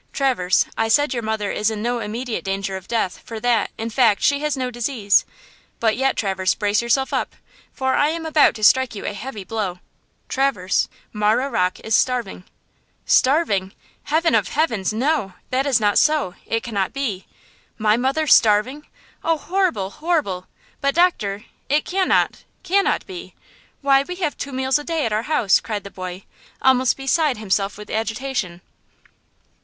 "Traverse, I said your mother is in no immediate danger of death, for that, in fact, she has no disease; but yet, Traverse, brace yourself up, for I am about to strike you a heavy blow. Traverse, Marah Rocke is starving!" "Starving! Heaven of heavens! no! that is not so! it cannot be! My mother starving! oh, horrible! horrible! But, doctor, it cannot–cannot be! Why, we have two meals a day at our house!" cried the boy, almost beside himself with agitation.